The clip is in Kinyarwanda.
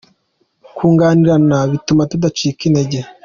kunganirana bituma tudacika intege.